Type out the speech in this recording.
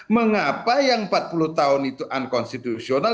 mengapa yang empat puluh tahun itu unconstitusional